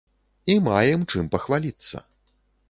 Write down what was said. І маем чым пахваліцца.